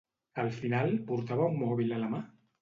Al final portava un mòbil a la mà?